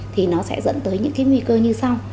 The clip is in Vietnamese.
thì nó sẽ dẫn tới những cái nguy cơ như sau